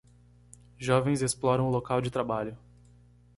Jovens exploram o local de trabalho